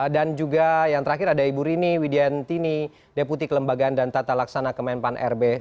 dan juga yang terakhir ada ibu rini widiantini deputi kelembagaan dan tata laksana kemenpan rb